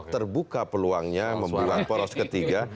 terbuka peluangnya membuat poros ketiga